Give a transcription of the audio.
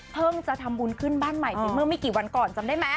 จะทำบุญขึ้นบ้านใหม่ไปเมื่อไม่กี่วันก่อนจำได้ไหม